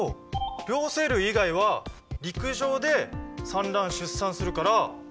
両生類以外は陸上で産卵・出産するから。